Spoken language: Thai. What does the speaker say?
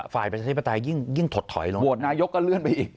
ฝ่ายประชาชนิดประตายยิ่งถดถอยลง